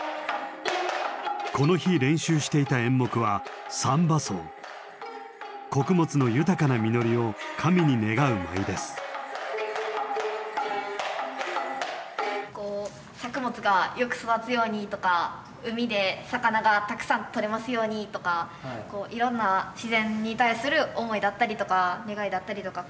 この日練習していた演目はこう作物がよく育つようにとか海で魚がたくさんとれますようにとかいろんな自然に対する思いだったりとか願いだったりとか。